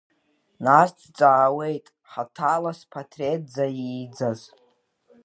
Нас дҵаауеит, хаҭала зпатреҭда ииӡаз.